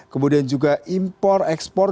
kemudian juga impor ekspor